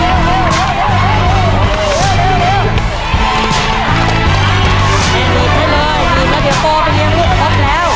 ดีดแล้วเดี๋ยวโตไปเลี้ยงลูกครับ